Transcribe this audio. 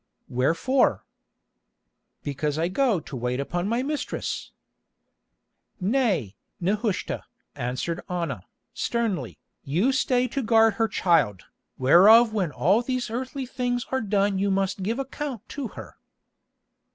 "Wherefore?" "Because I go to wait upon my mistress." "Nay, Nehushta," answered Anna, sternly, "you stay to guard her child, whereof when all these earthly things are done you must give account to her."